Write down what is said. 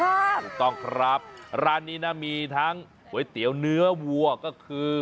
ถูกต้องครับร้านนี้นะมีทั้งก๋วยเตี๋ยวเนื้อวัวก็คือ